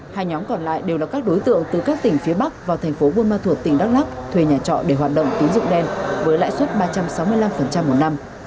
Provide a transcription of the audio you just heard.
hai nhóm còn lại đều là các đối tượng từ các tỉnh phía bắc vào thành phố buôn ma thuột tỉnh đắk lắc thuê nhà trọ để hoạt động tín dụng đen với lãi suất ba trăm sáu mươi năm một năm